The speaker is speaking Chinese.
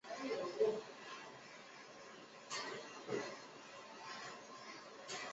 原角鹿科是北美洲已灭绝的草食性偶蹄动物。